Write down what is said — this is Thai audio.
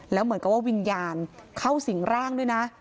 แล้วเหมือนกับว่าวิญญาณเข้าสิงร่างด้วยนะ